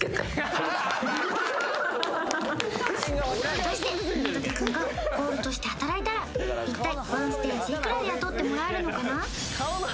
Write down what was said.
果たして宮舘君がコールとして働いたら一体１ステージいくらで雇ってもらえるのかな？